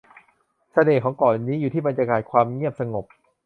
เสน่ห์ของเกาะนี้อยู่ที่บรรยากาศความเงียบสงบ